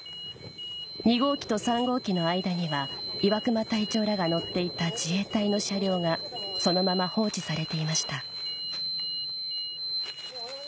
２号機と３号機の間には岩熊隊長らが乗っていた自衛隊の車両がそのまま放置されていました